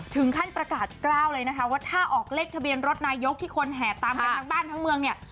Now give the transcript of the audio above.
ถึงขั้นประกาศกล้าวเลยนะคะว่าถ้าออกเลขทะเบียนรถนายกที่คนแห่ตามกันทั้งบ้านทั้งเมืองเนี่ย